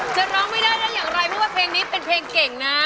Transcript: จะร้องไม่ได้ได้อย่างไรเพราะว่าเพลงนี้เป็นเพลงเก่งนะ